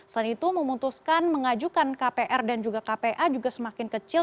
selain itu memutuskan mengajukan kpr dan juga kpa juga semakin kecil